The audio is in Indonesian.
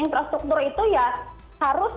infrastruktur itu ya harus